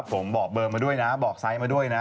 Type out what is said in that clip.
ผมบอกเบอร์มาด้วยนะบอกไซส์มาด้วยนะ